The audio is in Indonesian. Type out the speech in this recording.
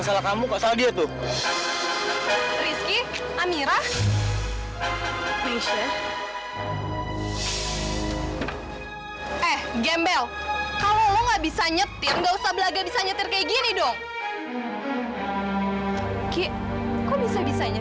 sampai jumpa di video selanjutnya